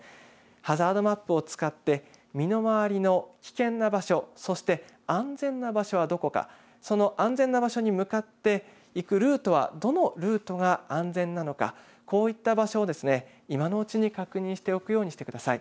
ハザードマップを使って身の回りの危険な場所そして安全な場所はどこかその安全な場所に向かっていくルートはどのルートが安全なのかこういった場所を今のうちに確認しておくようにしてください。